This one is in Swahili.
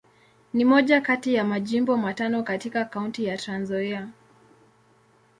Ni moja kati ya Majimbo matano katika Kaunti ya Trans-Nzoia.